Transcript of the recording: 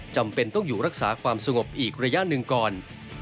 จำเป็นต้องอยู่รักษาความสงบอีกระยะหนึ่งก่อน